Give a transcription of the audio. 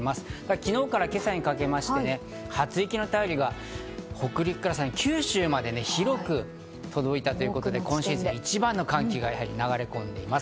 昨日から今朝にかけまして、初雪の便りが北陸から九州まで広く届いたということで今シーズン、一番の寒気が流れ込んでいます。